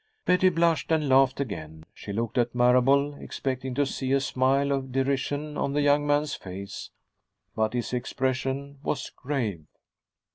Betty blushed and laughed again. She looked at Marable, expecting to see a smile of derision on the young man's face, but his expression was grave.